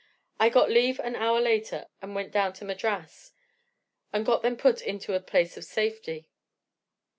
I got leave an hour later, and went down to Madras, and got them put into a place of safety.